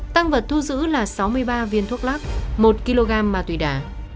tăng vật thu giữ là sáu mươi ba viên thuốc lắc một kg mà tùy đả